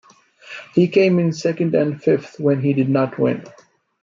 He came in second and fifth when he did not win.